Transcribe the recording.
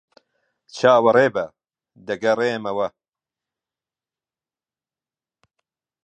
چاوەڕێبە. دەگەڕێمەوە.